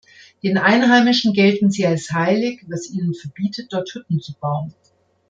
Den Einheimischen gelten sie als heilig, was ihnen verbietet, dort Hütten zu bauen.